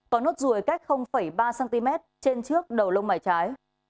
có nốt ruồi cách ba cm trên trước đầu lông mày trái